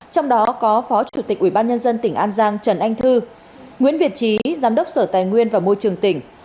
trong đó có phó chủ tịch ubnd tỉnh an giang trần anh thư nguyễn việt trí giám đốc sở tài nguyên và môi trường tỉnh